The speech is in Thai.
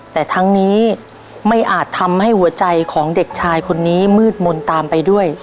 แต่ทั้งนี้ไม่อาจทำให้หัวใจของเด็กชายคนนี้มืดมนต์ตามไปด้วย